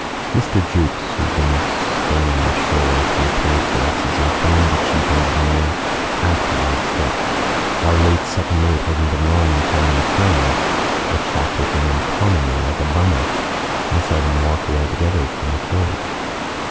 ..." Mr. Jukes, who had been scanning the shore through a pair of glasses, informed the chief engineer afterwards that "our late second mate hasn't been long in finding a friend. A chap looking uncommonly like a bummer. I saw them walk away together from the quay."